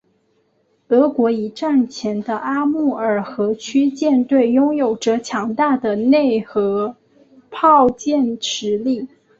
俄国一战前的阿穆尔河区舰队拥有着强大的内河炮舰实力。